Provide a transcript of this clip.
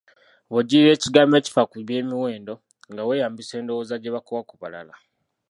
Bw'ojjirirwa ekigambo ekifa ku by'emiwendo, nga weeyambisa endowooza gye bakuwa ku kubala.